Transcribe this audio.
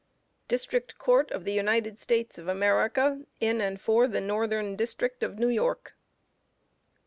DISTRICT COURT OF THE UNITED STATES OF AMERICA, IN AND FOR THE NORTHERN DISTRICT OF NEW YORK.